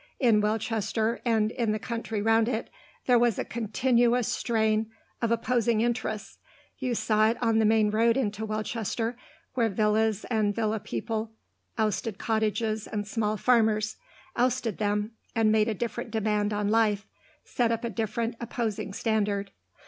In Welchester, and in the country round about it, there was the continuous strain of opposing interests. You saw it on the main road into Welchester, where villas and villa people ousted cottages and small farmers; ousted them, and made a different demand on life, set up a different, opposing standard.